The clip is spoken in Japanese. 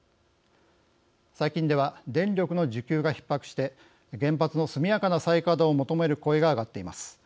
最近では電力の需給がひっ迫して原発の速やかな再稼働を求める声が上がっています。